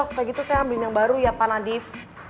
setelah itu saya ambil yang baru ya pak nadif